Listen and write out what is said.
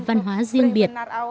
văn hóa riêng biệt